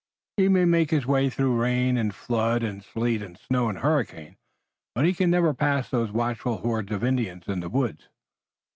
"He may make his way through rain and flood and sleet and snow and hurricane, but he can never pass those watchful hordes of Indians in the woods."